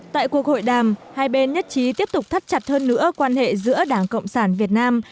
tại cuộc hội đàm hai bên nhất trí tiếp tục thắt chặt hơn nữa quan hệ giữa đảng cộng sản việt nam